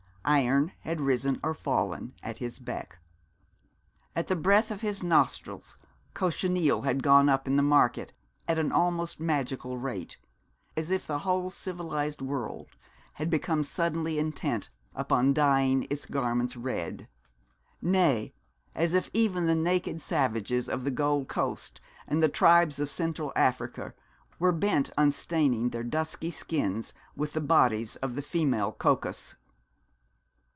Iron had risen or fallen at his beck. At the breath of his nostrils cochineal had gone up in the market at an almost magical rate, as if the whole civilised world had become suddenly intent upon dyeing its garments red, nay, as if even the naked savages of the Gold Coast and the tribes of Central Africa were bent on staining their dusky skins with the bodies of the female coccus.